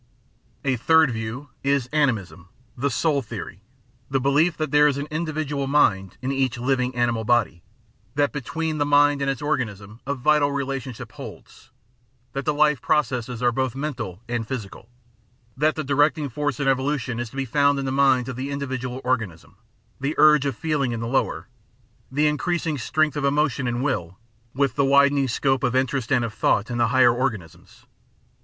A third view is Animism, the Soul theory, the belief that there is an individual mind in each living animal body; that be tween the mind and its organism a vital relationship holds; that the life processes are both mental and physical ; that the directing force in evolution is to be found in the minds of the individual organisms, the urge of feeling in the lower, the increasing strength of emotion and will, with the widening scope of interest and of thought, in the higher organisms.